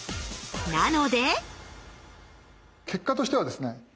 なので結果としてはですね